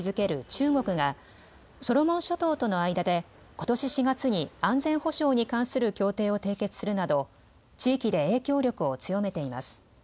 中国がソロモン諸島との間でことし４月に安全保障に関する協定を締結するなど地域で影響力を強めています。